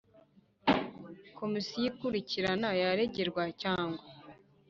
Komisiyo ikurikirana yaregerwa cyangwa